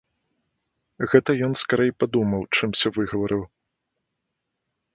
Гэта ён скарэй падумаў, чымся выгаварыў.